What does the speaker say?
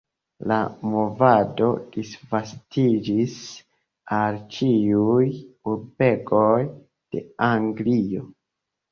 La movado disvastiĝis al ĉiuj urbegoj de Anglio.